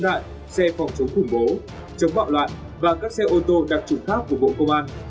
xe thông tin vệ tinh xe phòng chống khủng bố chống bạo loạn và các xe ô tô đặc trụng khác của bộ công an